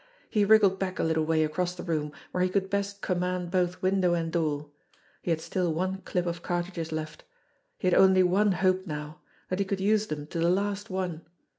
He wriggled back a little way across the room where he could best command both window and door. He had still one clip of cartridges left. He had only one hope now that he could use them to the last one.